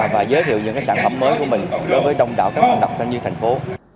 và giới thiệu những sản phẩm mới của mình đối với đông đạo các bạn đọc trên như thành phố